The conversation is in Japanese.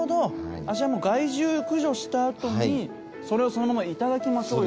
じゃあ害獣駆除した後にそれをそのままいただきましょうよ。